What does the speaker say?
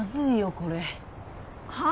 これはあ？